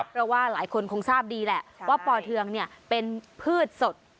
เพราะว่าหลายคนคงทราบดีแหละว่าปอเทืองเป็นพืชสด